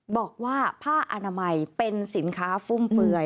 บอกว่าผ้าอนามัยเป็นสินค้าฟุ่มเฟือย